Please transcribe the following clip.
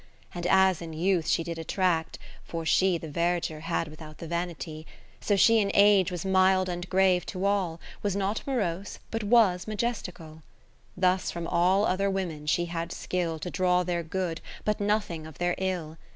And as in youth she did attract (for she The verdure had without the vanity), So she in age was mild and grave to all, 81 Was not morose, but was majestical. Thus from all other women she had skill To draw their good, but nothing of their ill.